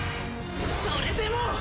それでも！